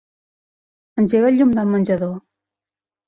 Engega el llum del menjador.